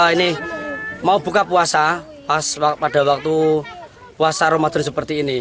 ini mau buka puasa pada waktu puasa ramadan seperti ini